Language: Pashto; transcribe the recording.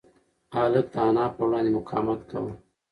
هلک د انا په وړاندې مقاومت کاوه.